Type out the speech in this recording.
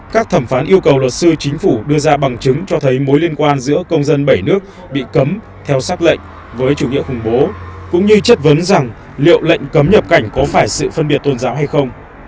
các thẩm phán yêu cầu luật sư chính phủ đưa ra bằng chứng cho thấy mối liên quan giữa công dân bảy nước bị cấm theo xác lệnh với chủ nghĩa khủng bố cũng như chất vấn rằng liệu lệnh cấm nhập cảnh có phải sự phân biệt tôn giáo hay không